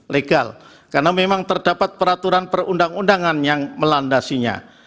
legal karena memang terdapat peraturan perundang undangan yang melandasinya